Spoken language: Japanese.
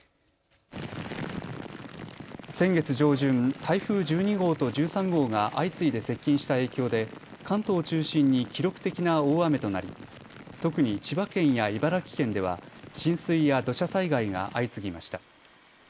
先月上旬、台風１２号と１３号が相次いで接近した影響で関東を中心に記録的な大雨となり特に千葉県や茨城県では浸水や土砂災害が相次ぎました。